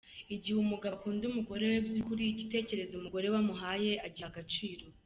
Igihe umugabo ukunda umugore by’ ukuri, igitekerezo umugore we amuhaye agiha agaciro.